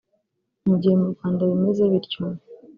Mu gihe mu Rwanda bimeze bityo